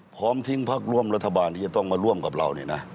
พร้อมทิ้งพักร่วมรัฐบาลที่จะต้องมาร่วมกับเราเนี่ยนะ